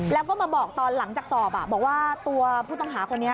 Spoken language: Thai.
แล้วก็มาบอกตอนหลังจากสอบบอกว่าตัวผู้ต้องหาคนนี้